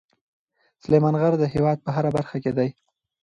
سلیمان غر د هېواد په هره برخه کې دی.